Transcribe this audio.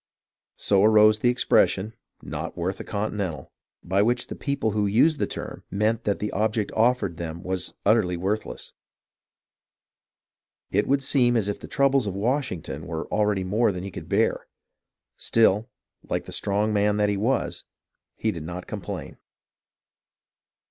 So arose the expression " not worth a continental," by which the people who used the term meant that the object offered them was utterly worthless. It would seem as if the troubles of Washington were already more than he could bear. Still, like the strong man that he was, he did not complain.